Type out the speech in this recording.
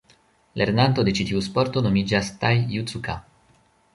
Lernanto de ĉi tiu sporto nomiĝas Tai-Jutsuka.